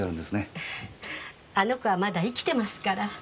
ええあの子はまだ生きてますから。